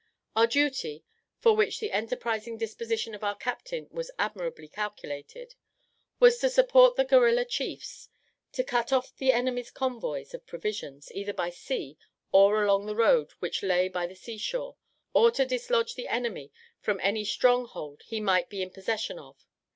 Our duty (for which the enterprising disposition of our captain was admirably calculated) was to support the guerilla chiefs; to cut off the enemy's convoys of provisions, either by sea or along the road which lay by the sea shore; or to dislodge the enemy from any stronghold he might be in possession of.